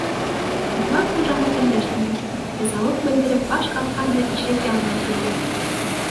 Урман хужаһы өндәшмәгән, ризалыҡ белдереп баш ҡаҡҡан да ишек янына килгән.